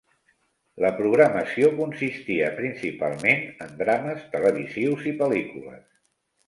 La programació consistia principalment en drames televisius i pel·lícules.